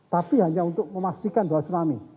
tapi hanya untuk memastikan bahwa tsunami